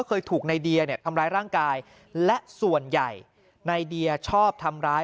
เคยถูกในเดียเนี่ยทำร้ายร่างกายและส่วนใหญ่ในเดียชอบทำร้าย